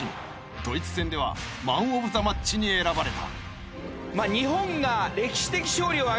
ドイツ戦ではマンオブザマッチに選ばれた。